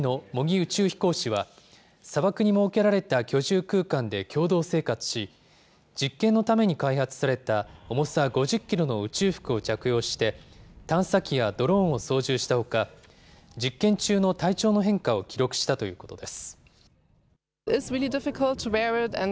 宇宙飛行士は、砂漠に設けられた居住空間で共同生活し、実験のために開発された、重さ５０キロの宇宙服を着用して、探査機やドローンを操縦したほか、実験中の体調の変化を記録したということです。